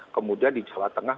kemudian di jawa tengah